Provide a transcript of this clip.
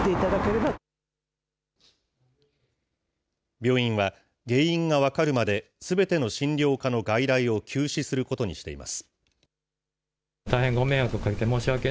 病院は、原因が分かるまですべての診療科の外来を休止することにしています。